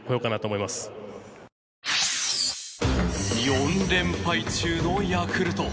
４連敗中のヤクルト。